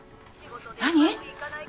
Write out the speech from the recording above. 何？